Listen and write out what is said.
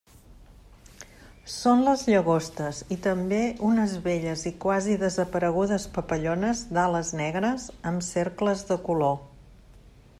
Són les llagostes, i també unes belles i quasi desaparegudes papallones d'ales negres amb cercles de color.